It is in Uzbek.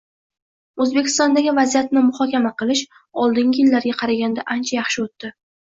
O'zbekistondagi vaziyatni muhokama qilish oldingi yillarga qaraganda ancha yaxshi o'tdi.